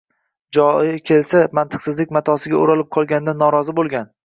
Joyi kelsa, mantiqsizlik matosiga o‘ralib qolganidan norozi bo‘lgan